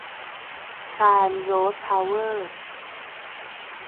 ไพร์ม โรด เพาเวอร์